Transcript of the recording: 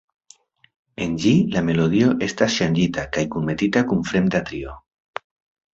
En ĝi la melodio estas ŝanĝita kaj kunmetita kun fremda trio.